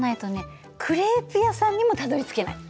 クレープ屋さんにもたどりつけない。